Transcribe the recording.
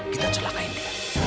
kita celahkan dia